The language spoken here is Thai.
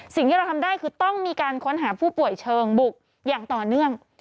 สิ่งที่เราทำได้คือต้องมีการค้นหาผู้ป่วยเชิงบุกอย่างต่อเนื่อง